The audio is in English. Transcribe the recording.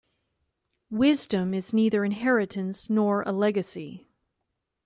Wisdom is neither inheritance nor a legacy.